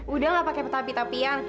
udah nggak pakai tetapi tapian